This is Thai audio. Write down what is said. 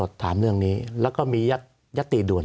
สวัสดีครับทุกคน